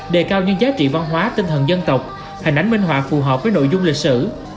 đề cao những giá trị văn hóa tinh thần dân tộc hình ảnh minh họa phù hợp với nội dung lịch sử